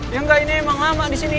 ya enggak ini emang lama di sini